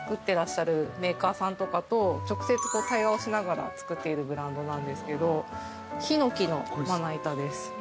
てらっしゃるメーカーさんとかと直接対話をしながら作っているブランドなんですけどヒノキのまな板です。